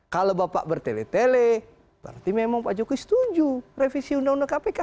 kalau bapak bertele tele berarti memang pak jokowi setuju revisi undang undang kpk